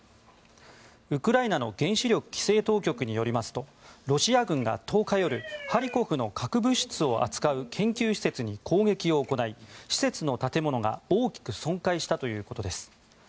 ウクライナの原子力規制当局によりますと、ロシア軍が１０日夜ハリコフの核物質を扱う研究施設に攻撃を行い、施設の建物が大きく損壊したということです。